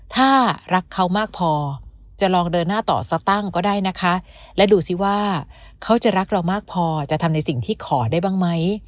ถ้ารักเขามากพอจะลองเดินหน้าต่อสตั้งก็ได้นะคะและดูสิว่าเขาจะรักเรามากพอจะทำในสิ่งที่ขอได้บ้างไหม